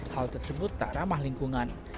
hal tersebut tak ramah lingkungan